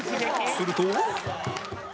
すると